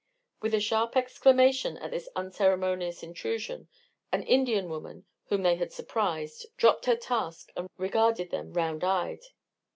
With a sharp exclamation at this unceremonious intrusion, an Indian woman, whom they had surprised, dropped her task and regarded them, round eyed.